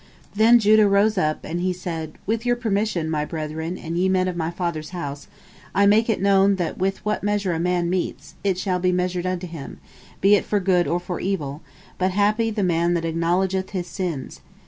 Then Judah rose up, and said: "With your permission, my brethren, and ye men of my father's house, I make it known that with what measure a man metes, it shall be measured unto him, be it for good or for evil, but happy the man that acknowledgeth his sins.